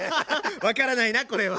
分からないなこれは！